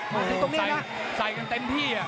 โหโหโหโหโหโห